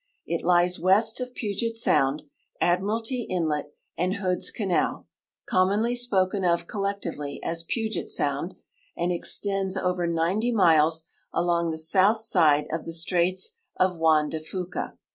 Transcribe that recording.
It lies west of Puget sound, Admiralty inlet, and Hood's canal, commonly spoken of collectively as Puget sound, and t'xtends over 1)0 miles along the south side of the straits of Juan de Fuca.